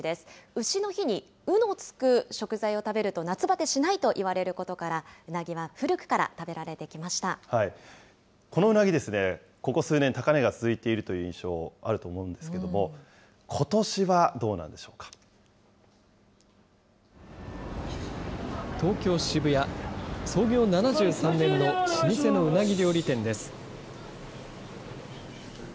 うしの日に、うの付く食材を食べると夏バテしないといわれることから、うなぎこのうなぎ、ここ数年、高値が続いているという印象、あると思うんですけれども、ことし東京・渋谷、創業７３年の老舗のうなぎ料理店です。